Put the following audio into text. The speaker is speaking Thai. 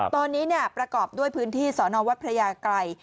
ตอนนี้ประกอบด้วยพื้นที่สอนอวัดพระยากรัย